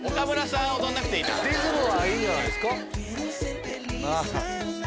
でもリズムはいいじゃないですか。